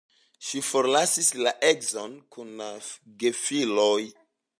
Ŝi forlasis la edzon kun la gefiloj.